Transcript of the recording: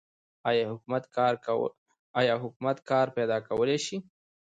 آیا حکومت کار پیدا کولی شي؟